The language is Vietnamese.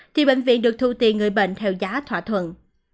thì bệnh viện được thu tiền người bệnh theo giá thỏa thuận